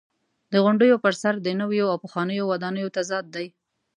د غونډیو پر سر د نویو او پخوانیو ودانیو تضاد دی.